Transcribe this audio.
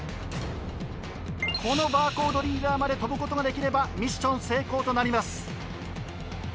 このバーコードリーダーまで跳ぶことができればミッション成功となります。